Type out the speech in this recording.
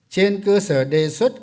trên cơ sở đề xuất